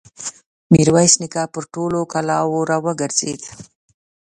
ميرويس نيکه پر ټولو کلاوو را وګرځېد.